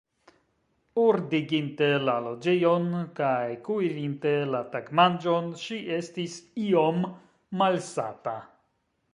Ordiginte la loĝejon kaj kuirinte la tagmanĝon, ŝi estis iom malsata.